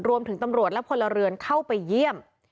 ตำรวจและพลเรือนเข้าไปเยี่ยม